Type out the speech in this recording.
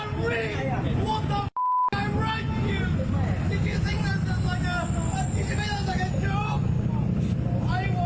กลับมารับทราบ